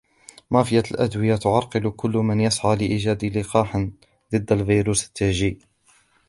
.مافيا الأدوية تعرقل كل من يسعى لايجاد لقاح ضد الفيروس التاجي